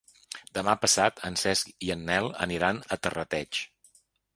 Demà passat en Cesc i en Nel aniran a Terrateig.